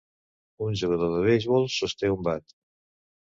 Un jugador de beisbol sosté un bat.